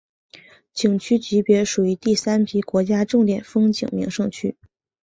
景区级别属于第三批国家重点风景名胜区。